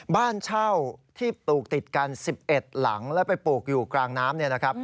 บ้านเช่าที่ปลูกติดกัน๑๑หลังแล้วไปปลูกอยู่กลางน้ำ